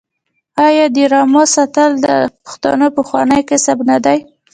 آیا د رمو ساتل د پښتنو پخوانی کسب نه دی؟